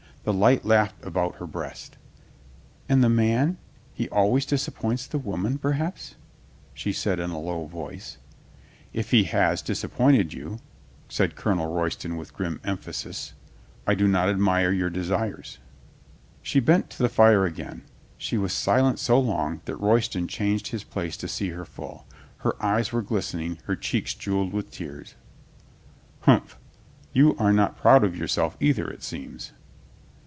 The light laughed about her breast. "And the man — he always disappoints the woman, perhaps?" she said in a low voice. "If he has disappointed you," said Colonel Roy 202 COLONEL GREATHEART ston with grim emphasis, "I do not admire your de sires." She bent to the fire again. She was silent so long that Royston changed his place to see her full. Her eyes were glistening, her cheeks jeweled with tears. "Humph. You are not proud of yourself, either, it seems."